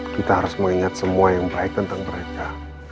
kita harus mengingat semua yang baik tentang mereka